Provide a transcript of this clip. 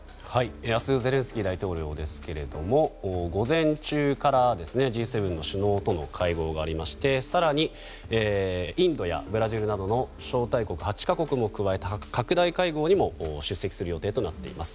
明日のゼレンスキー大統領ですが午前中からＧ７の首脳との会合がありまして更に、インドやブラジルなどの招待国８か国も加えた拡大会合にも出席する予定となっています。